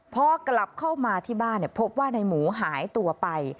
พอกลับเข้ามาที่บ้านพบว่าในหมูหายตัวไป